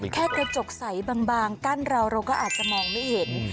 แค่กระจกใสบางกั้นเราเราก็อาจจะมองไม่เห็น